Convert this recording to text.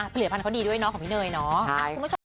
ผลิตภัณฑ์เขาดีด้วยเนาะของพี่เนยเนาะ